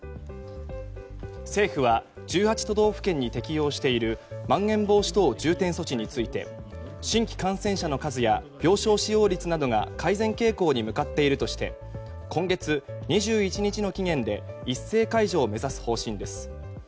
政府は１８都道府県に適用しているまん延防止等重点措置について新規感染者の数や病床使用率などが改善傾向に向かっているとして今月２１日の期限で一斉解除を目指す方針です。